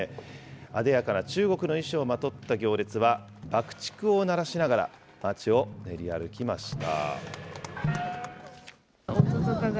あでやかな中国の衣装をまとった行列は、爆竹を鳴らしながら、街を練り歩きました。